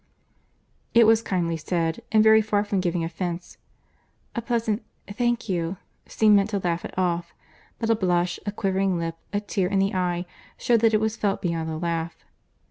It was kindly said, and very far from giving offence. A pleasant "thank you" seemed meant to laugh it off, but a blush, a quivering lip, a tear in the eye, shewed that it was felt beyond a laugh.